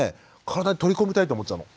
体に取り込みたいと思っちゃうの。